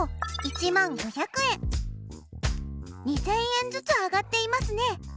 ２０００円ずつ上がっていますね。